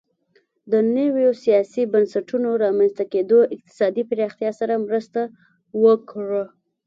د نویو سیاسي بنسټونو رامنځته کېدو اقتصادي پراختیا سره مرسته وکړه